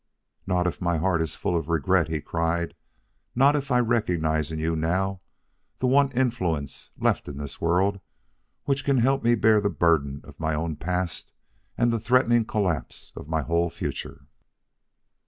"Not if my heart is full of regret?" he cried. "Not if I recognize in you now the one influence left in this world which can help me bear the burden of my own past and the threatening collapse of my whole future?"